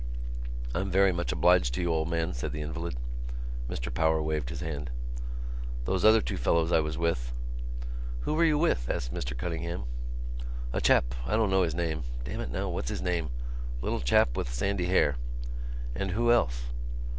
"I'm very much obliged to you, old man," said the invalid. Mr Power waved his hand. "Those other two fellows I was with——" "Who were you with?" asked Mr Cunningham. "A chap. I don't know his name. Damn it now, what's his name? Little chap with sandy hair...." "And who else?"